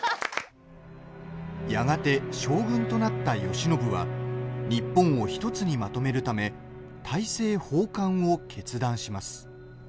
やがて、将軍となった慶喜は日本を１つにまとめるため大政奉還を決断します。